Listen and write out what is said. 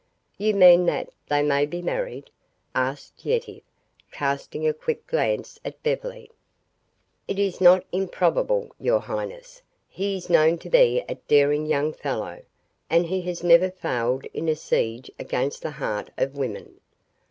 "You mean that they may be married?" asked Yetive, casting a quick glance at Beverly. "It is not improbable, your highness. He is known to be a daring young fellow, and he has never failed in a siege against the heart of woman.